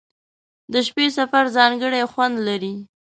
• د شپې سفر ځانګړی خوند لري.